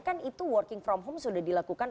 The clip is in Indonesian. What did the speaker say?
kan itu working from home sudah dilakukan